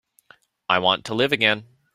I want to live again.